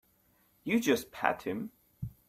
You just pat him.